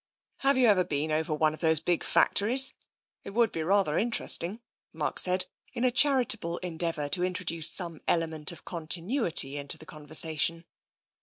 " Have you ever l^en over one of those big fac tories? It would be rather interesting," Mark said, in a charitable endeavour to introduce some element of continuity into the conversation.